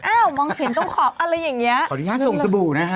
มองเห็นตรงขอบอะไรอย่างเงี้ยขออนุญาตส่งสบู่นะฮะ